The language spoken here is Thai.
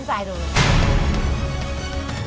มารายการที่จะจบดวันสุข